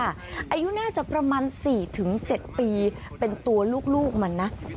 อายุน่าจะประมาณ๔๗ปีเป็นตัวลูกมันนะ